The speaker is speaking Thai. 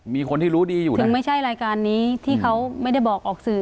มีคนที่รู้ดีอยู่ถึงไม่ใช่รายการนี้ที่เขาไม่ได้บอกออกสื่อ